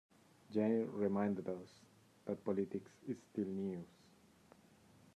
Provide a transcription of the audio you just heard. Jenny reminded us that politics is still news.